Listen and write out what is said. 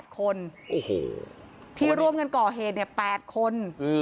๘คนที่ร่วมกันก่อเหตุ๘คน